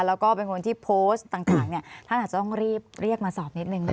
แล้วก็เป็นคนที่โพสต์ต่างเนี่ยท่านอาจจะต้องรีบเรียกมาสอบนิดนึง